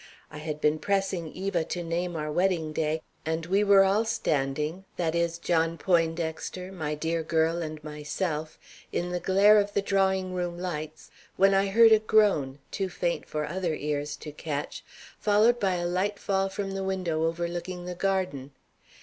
I had been pressing Eva to name our wedding day, and we were all standing that is, John Poindexter, my dear girl, and myself in the glare of the drawing room lights, when I heard a groan, too faint for other ears to catch, followed by a light fall from the window overlooking the garden.